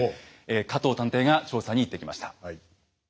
加藤探偵が調査に行ってきました。